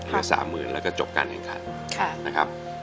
ทีละ๓๐๐๐๐แล้วก็จบการแห่งขาดนะครับ